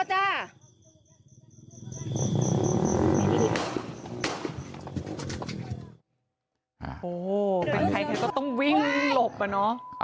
ใครท้าก็ต้องวิ่งหลบป่ะนะ